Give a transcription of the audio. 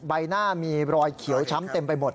ใบหน้ามีรอยเขียวช้ำเต็มไปหมด